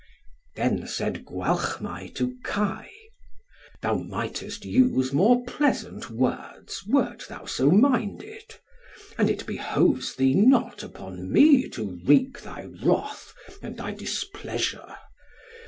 Then said Gwalchmai to Kai, "Thou mightest use more pleasant words, wert thou so minded; and it behoves thee not upon me to wreak thy wrath and thy displeasure.